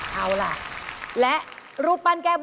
ม้าไล่และไก่